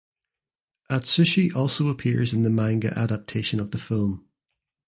Atsushi also appears in the manga adaptation of the film.